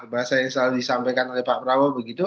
bahasa yang selalu disampaikan oleh pak prabowo begitu